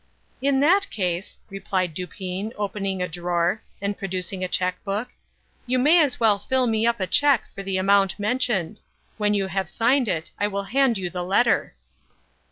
"In that case," replied Dupin, opening a drawer, and producing a check book, "you may as well fill me up a check for the amount mentioned. When you have signed it, I will hand you the letter."